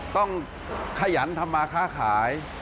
ต้องขยันทำมาค้าขาย